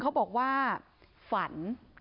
เขาบอกว่าฝัน